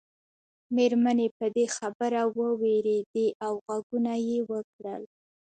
مېرمنې په دې خبره ووېرېدې او غږونه یې وکړل.